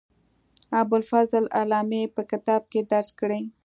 ابوالفضل علامي په کتاب کې درج کړې.